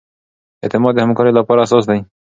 اعتماد د همکارۍ لپاره اساس دی.